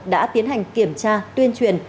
đã tiến hành kiểm tra tuyên truyền